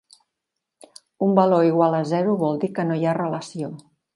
Un valor igual a zero vol dir que no hi ha relació.